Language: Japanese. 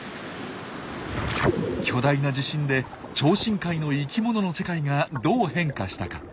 巨大な地震で超深海の生きものの世界がどう変化したか。